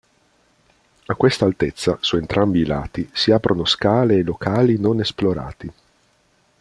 A questa altezza, su entrambi i lati, si aprono scale e locali non esplorati.